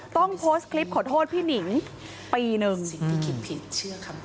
ต้องโพสต์คลิปขอโทษพี่นิ่งปีหนึ่งอืม